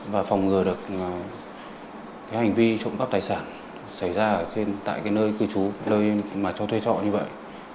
và phòng ngừa được cái hành vi trộm cắp tài sản xảy ra tại cái nơi cư trú nơi mà cho thuê trọ như vậy